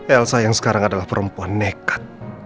elsa yang sekarang adalah perempuan nekat